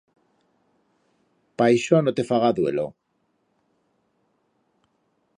Pa ixo no te faga duelo.